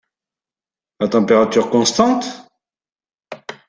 À température constante?